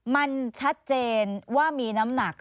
มันชัดเจนว่ามีน้ำหนัก